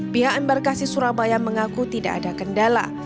pihak embarkasi surabaya mengaku tidak ada kendala